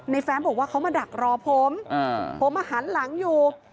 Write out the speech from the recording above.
แฟ้มบอกว่าเขามาดักรอผมผมมาหันหลังอยู่